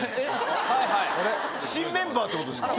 新メンバーってことですか？